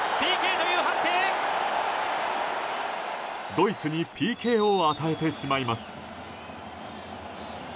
ドイツにＰＫを与えてしまいます。